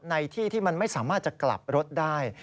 ในที่ที่มันไม่สามารถจะกลับรถได้